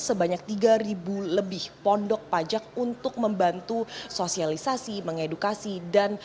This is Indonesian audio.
sebanyak tiga lebih pondok pajak untuk membantu sosialisasi mengedukasi dan